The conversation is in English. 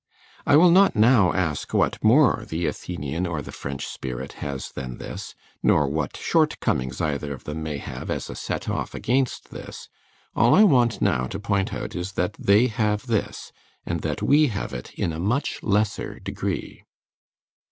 I will not now ask what more the Athenian or the French spirit has than this, nor what shortcomings either of them may have as a set off against this; all I want now to point out is that they have this, and that we have it in a much lesser degree.